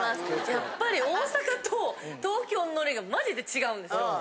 やっぱり、大阪と東京のノリがまじで違うんですよ。